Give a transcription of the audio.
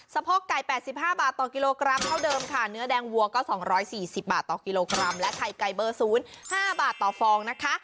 สะพกไก่แปดสิบห้าบาทต่อกิโลกรัมเท่าเดิมค่ะเนื้อแดงวัวก็สองร้อยสี่สิบบาทต่อกิโลกรัมและไข่ไก่เบอร์ศูนย์ห้าบาทต่อฟองนะคะ